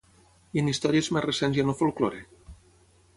I en històries més recents i en el folklore?